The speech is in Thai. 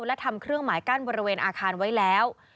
และทำเครื่องหมายกั้นบริเวณอาคารไว้แล้ว